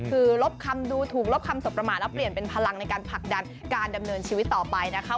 คือลบคำดูถูกลบคำสบประมาทแล้วเปลี่ยนเป็นพลังในการผลักดันการดำเนินชีวิตต่อไปนะคะ